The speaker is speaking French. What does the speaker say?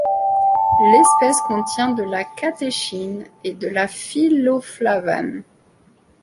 L'espèce contient de la catéchine et de la phylloflavane.